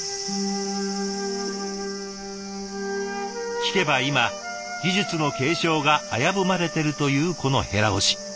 聞けば今技術の継承が危ぶまれてるというこの箆押し。